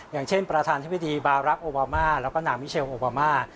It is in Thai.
อย่างเช่นประธานธิบดีบารักษ์โอบามาแล้วก็นางมิเชลโอบามา